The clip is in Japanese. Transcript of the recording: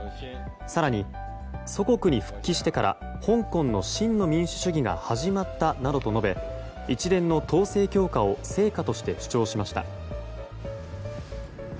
更に、祖国に復帰してから香港の真の民主主義が始まったなどと述べ一連の統制強化を成果として主張しました。